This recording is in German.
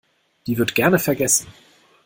Die wird gerne vergessen.